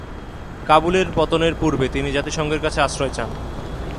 কাবুলের পতনের পূর্বে তিনি জাতিসংঘের কাছে আশ্রয় চান।